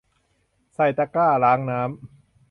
ใส่ตะกร้าล้างน้ำ